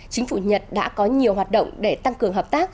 chính phủ nhật đã có nhiều hoạt động để tăng cường hợp tác